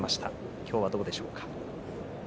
今日はどうでしょうか。